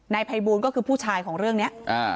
ภัยบูลก็คือผู้ชายของเรื่องนี้